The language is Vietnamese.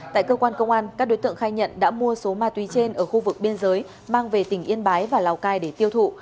tại cơ quan công an các đối tượng khai nhận đã mua số ma túy trên ở khu vực biên giới mang về tỉnh yên bái và lào cai để tiêu thụ